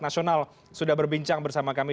nasional sudah berbincang bersama kami